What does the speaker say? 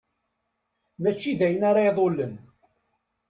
Mačči d ayen ara iḍulen.